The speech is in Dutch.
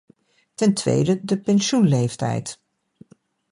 Ten tweede de pensioenleeftijd.